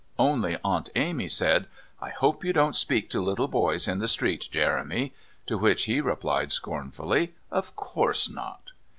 Only Aunt Amy said: "I hope you don't speak to little boys in the street, Jeremy." To which he replied scornfully: "Of course not."